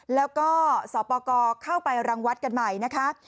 แล้วก็สปกรเข้าไปรังวัดกันใหม่นะคะ